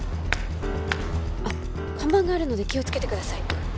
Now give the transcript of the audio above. あっ看板があるので気をつけてください